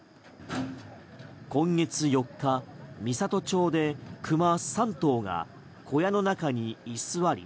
今月４日三郷町でクマ３頭が小屋の中に居座り